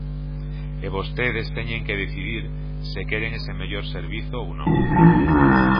E vostedes teñen que decidir se queren ese mellor servizo ou non.